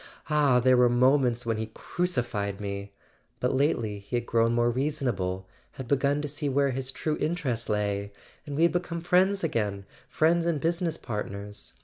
Ah, there were moments when he cruci¬ fied me ... but lately he had grown more reasonable, had begun to see where his true interests lay, and we had become friends again, friends and business part¬ ners.